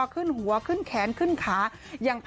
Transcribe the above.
ขึ้นหัวขึ้นแขนขึ้นขา